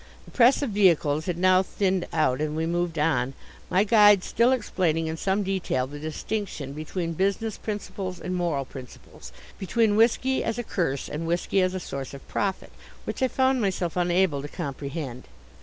The press of vehicles had now thinned out and we moved on, my guide still explaining in some detail the distinction between business principles and moral principles, between whisky as a curse and whisky as a source of profit, which I found myself unable to comprehend.